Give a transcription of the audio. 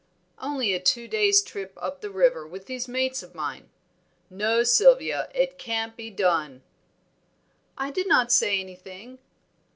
"Only a two days' trip up the river with these mates of mine. No, Sylvia, it can't be done." "I did not say anything."